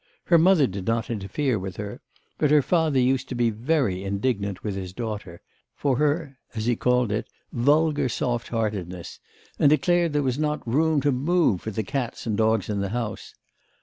Her mother did not interfere with her; but her father used to be very indignant with his daughter, for her as he called it vulgar soft heartedness, and declared there was not room to move for the cats and dogs in the house.